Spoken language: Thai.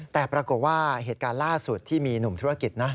แต่ปรากฏว่าเหตุการณ์ล่าสุดที่มีหนุ่มธุรกิจนะ